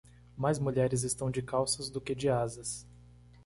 Mais mulheres estão de calças do que de asas.